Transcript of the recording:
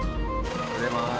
おはようございます。